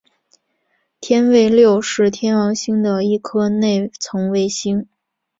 天卫六是天王星的一颗内层卫星。